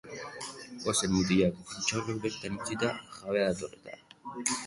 Goazen, mutilak, intxaurrok bertan utzita, jabea dator eta.